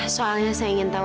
soalnya saya ingin tahu